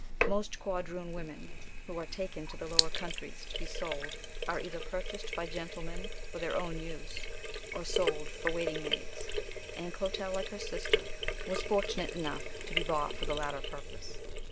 Most quadroon women who are taken to the lower countries to be sold are either purchased by gentlemen for their own use, or sold for waiting maids; and Clotel, like her sister, was fortunate enough to be bought for the latter purpose.